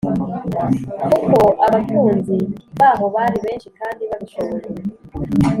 Kuko abatunzi baho bari benshi kandi babishoboye